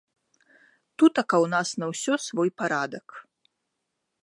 Тутака ў нас на ўсё свой парадак.